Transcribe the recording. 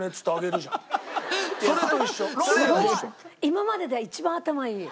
今までで一番頭いい。